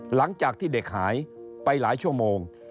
หลังจากที่เด็กหายไปหลายชั่วโมง